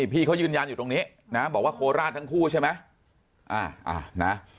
พี่เขายืนยันอยู่ตรงนี้นะบอกว่าโคราชทั้งคู่ใช่ไหม